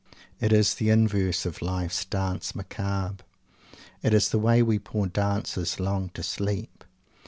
It is the "inverse" of life's "Danse Macabre." It is the way we poor dancers long to sleep.